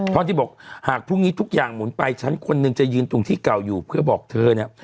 เพราะที่บอกหากพรุ่งนี้ทุกอย่างหมุนไปฉันคนหนึ่งจะยืนตรงที่เก่าอยู่เพื่อบอกเธอเนี่ย